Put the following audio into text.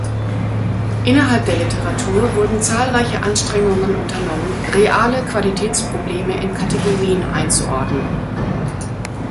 Innerhalb der Literatur wurden zahlreiche Anstrengungen unternommen, reale Qualitätsprobleme in Kategorien einzuordnen.